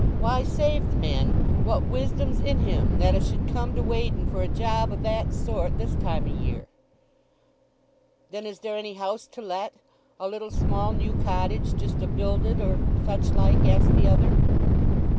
"Why, save the man, what wisdom's in him that 'a should come to Weydon for a job of that sort this time o' year?" "Then is there any house to let—a little small new cottage just a builded, or such like?" asked the other.